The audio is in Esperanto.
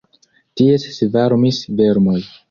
Tie svarmis vermoj.